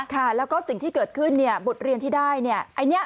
ค่ะแล้วก็สิ่งที่เกิดขึ้นเนี่ยบทเรียนที่ได้เนี่ย